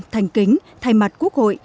thành kính thay mặt quốc hội